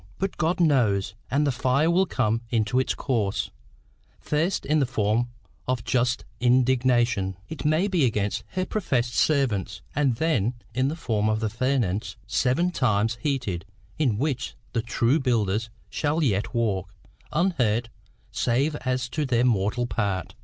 But God knows, and the fire will come in its course first in the form of just indignation, it may be, against her professed servants, and then in the form of the furnace seven times heated, in which the true builders shall yet walk unhurt save as to their mortal part.